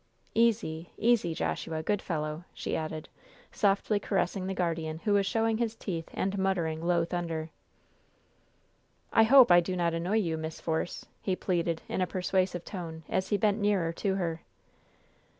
Easy easy, Joshua, good fellow!" she added, softly caressing the guardian who was showing his teeth and muttering low thunder. "I hope I do not annoy you. Miss Force," he pleaded, in a persuasive tone, as he bent nearer to her.